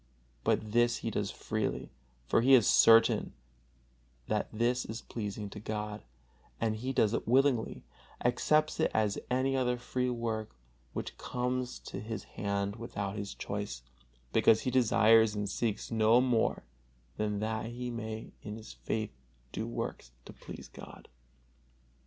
But this he does freely, for he is certain that this is pleasing to God, and he does it willingly, accepts it as any other free work which comes to his hand without his choice, because he desires and seeks no more than that he may in his faith do works to please God.